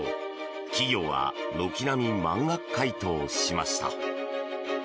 企業は軒並み満額回答しました。